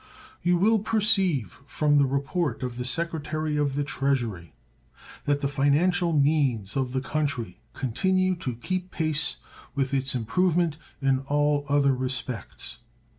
You will perceive from the report of the Secretary of the Treasury that the financial means of the country continue to keep pace with its improvement in all other respects.